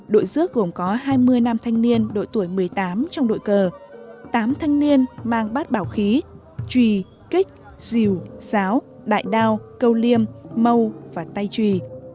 đội dước gồm có hai mươi nam thanh niên đội tuổi một mươi tám trong đội cờ tám thanh niên mang bát bảo khí chùy kích rìu giáo đại đao câu liêm mâu và tay trùy